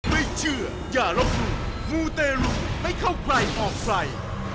ไม่เชื่ออย่าล้มมูมูเตรุไม่เข้าใกล้ออกไฟ